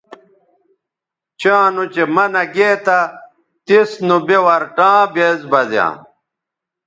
چاں نوچہء منع گے تھا تس نوبے ورٹاں بیز بزیاں